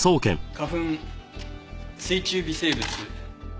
花粉水中微生物